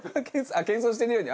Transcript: あっ謙遜してるように。